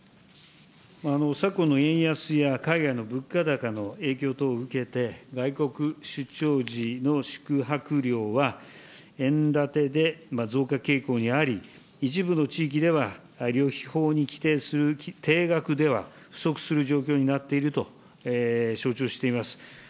昨今の円安や、海外の物価高の影響等を受けて、外国出張時の宿泊料は円建てで増加傾向にあり、一部の地域では、旅費法に規定する定額では不足する状況になっていると承知をしています。